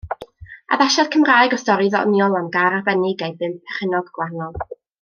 Addasiad Cymraeg o stori ddoniol am gar arbennig a'i bum perchennog gwahanol.